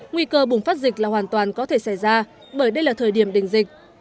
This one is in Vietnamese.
nguy cơ bùng phát dịch là hoàn toàn có thể xảy ra bởi đây là thời điểm đỉnh dịch